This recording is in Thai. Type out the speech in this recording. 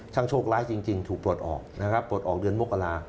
โชคร้ายจริงถูกปลดออกนะครับปลดออกเดือนมกรา